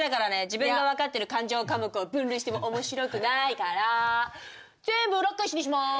自分が分かってる勘定科目を分類しても面白くないから全部裏っ返しにします。